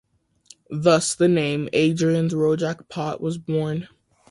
Thus, the name Adrian's Rojak Pot was born.